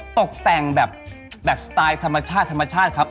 ตกแต่งแบบสไตล์ธรรมชาติครับ